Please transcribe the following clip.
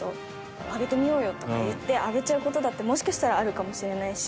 「あげてみようよ」とか言ってあげちゃう事だってもしかしたらあるかもしれないし。